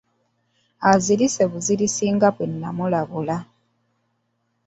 Azirise buzirisi nga bwe nnamulabula.